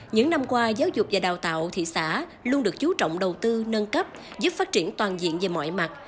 những năm qua giáo dục và đào tạo thị xã luôn được chú trọng đầu tư nâng cấp giúp phát triển toàn diện về mọi mặt